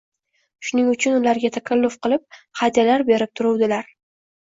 shuning uchun ularga takalluf qilib, hadyalar berib turuvdilar.